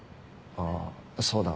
ああそうだ。